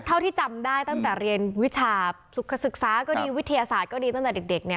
เท่าที่จำได้ตั้งแต่เรียนวิชาศึกษาก็ดีวิทยาศาสตร์ก็ดีตั้งแต่เด็กเนี่ย